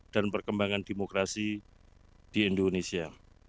dan perkembangan demokrasi di indonesia